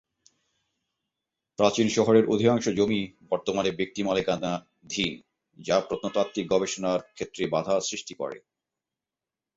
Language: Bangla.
প্রাচীন শহরের অধিকাংশ জমি বর্তমানে ব্যক্তিমালিকানাধীন যা প্রত্নতাত্ত্বিক গবেষণার ক্ষেত্রে বাধা সৃষ্টি করে।